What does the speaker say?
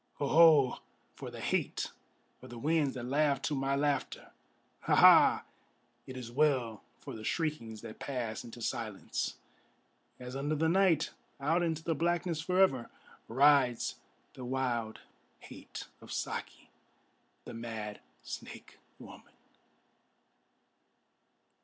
Ho! Ho! for the hate of the winds that laugh to my laughter! Ha! Ha! it is well for the shriekings that pass into silence, As under the night, out into the blackness forever, Rides the wild hate of Saki, the mad snake woman!